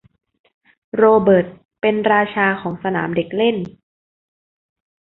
โรเบิร์ตเป็นราชาของสนามเด็กเล่น